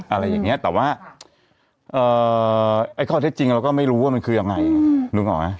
อะไรอย่างนี้แต่ว่าข้อเท็จจริงเราก็ไม่รู้ว่ามันคือยังไงนึกออกไหม